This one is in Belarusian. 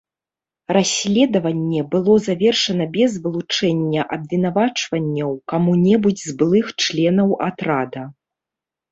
Расследаванне было завершана без вылучэння абвінавачванняў каму-небудзь з былых членаў атрада.